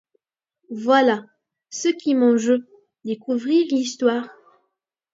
Voilà ce qu’est mon jeu : découvrir l’histoire.